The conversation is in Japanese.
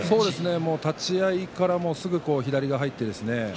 立ち合いからすぐ左が入ってですね